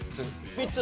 ３つ。